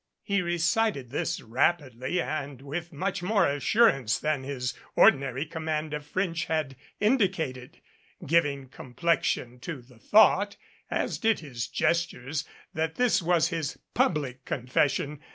He recited this rapidly and with much more assurance than his ordinary command of French had indicated, giv ing complexion to the thought, as did his gestures, that this was his public confession.